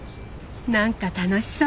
なんか楽しそう！